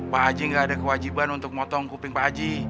pak haji gak ada kewajiban untuk motong kuping pak haji